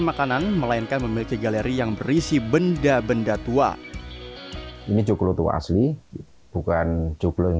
makanan melainkan memiliki galeri yang berisi benda benda tua ini cokelotu asli bukan kiplung